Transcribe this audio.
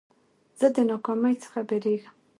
زه د ناکامۍ څخه بېرېږم.